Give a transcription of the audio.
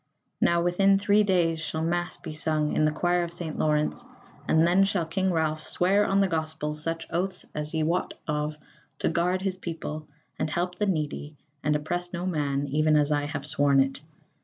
Now within three days shall mass be sung in the choir of St. Laurence, and then shall King Ralph swear on the gospels such oaths as ye wot of, to guard his people, and help the needy, and oppress no man, even as I have sworn it.